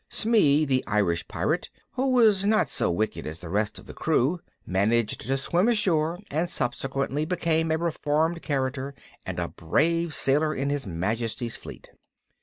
Smee, the Irish Pirate, who was not so wicked as the rest of the crew, managed to swim ashore, and subsequently became a reformed character and a brave sailor in His Majesty's Fleet.